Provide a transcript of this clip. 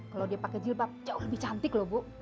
kalau dia pakai jilbab jauh lebih cantik loh bu